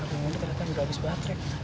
aduh moni ternyata udah abis bateren